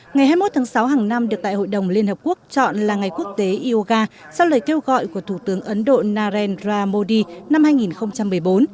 ngày hai mươi một tháng sáu hàng năm được tại hội đồng liên hợp quốc chọn là ngày quốc tế yoga sau lời kêu gọi của thủ tướng ấn độ narendra modi năm hai nghìn một mươi bốn